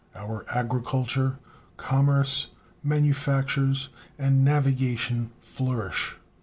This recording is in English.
Our agriculture, commerce, manufactures, and navigation flourish.